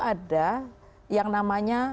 ada yang namanya